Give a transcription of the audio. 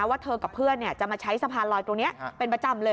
ว่าเธอกับเพื่อนจะมาใช้สะพานลอยตรงนี้เป็นประจำเลย